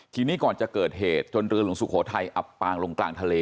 ทีนี้ก่อนจะเกิดเหตุจนเรือหลวงสุโขทัยอับปางลงกลางทะเล